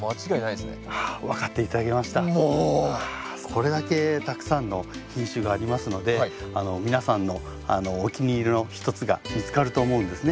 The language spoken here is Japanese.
これだけたくさんの品種がありますので皆さんのお気に入りの一つが見つかると思うんですね。